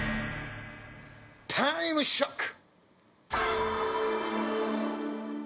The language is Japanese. タイムショック！